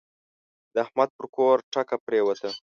د احمد پر کور ټکه پرېوته.